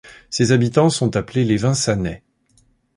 Ses habitants sont appelés les Vinçanais.